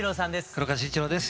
黒川真一朗です。